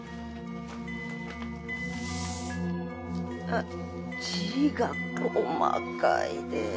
あっ字が細かいで。